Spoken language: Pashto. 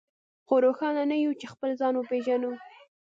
خو روښانه نه يو چې خپل ځان وپېژنو.